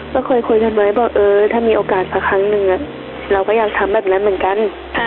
ก็เคยคุยกันไว้บอกเออถ้ามีโอกาสสักครั้งหนึ่งเราก็อยากทำแบบนั้นเหมือนกัน